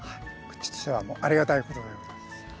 こっちとしてはもうありがたいことでございます。